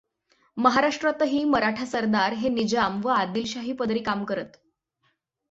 महाराष्ट्रातही मराठा सरदार हे निजाम व अदिलशाही पदरी काम करत.